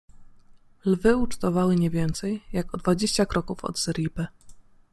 Lwy ucztowały nie więcej, jak o dwadzieścia kroków od zeriby.